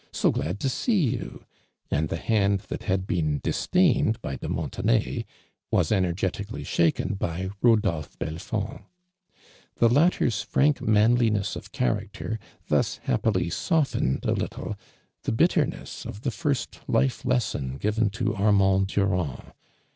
So glad to see you !'' and the hand that had been dis dained by de Monttnay was energetically shaken by Itodolpho Bolfond. The latter's fiank manliness of character thus happily softened a little the bitterness of the first life lesson given to Armand Durand.